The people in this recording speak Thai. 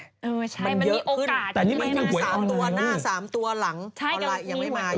เออใช่มันมีโอกาสมี๓ตัวหน้า๓ตัวหลังออนไลน์ยังไม่มาอย่างนั้น